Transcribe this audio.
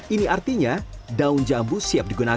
ini artinya daun jambu siap digunakan